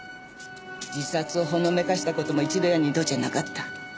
自殺をほのめかした事も一度や二度じゃなかった。